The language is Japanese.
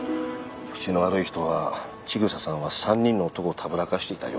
口の悪い人は千草さんは３人の男をたぶらかしていたようだと。